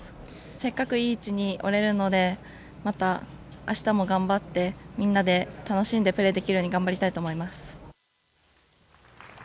せっかくいい位置にいれるので、また明日も頑張ってみんなで楽しんでプレーできるように頑張りたいと思います。